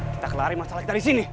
kita kelari masalah kita disini